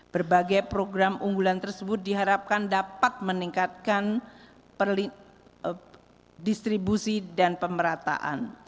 berbagai program unggulan tersebut diharapkan dapat meningkatkan distribusi dan pemerataan